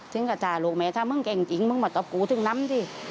ถึงกระจ่าลูกแม่ถ้ามึงเก่งจริงมึงมากับกูถึงนำสิ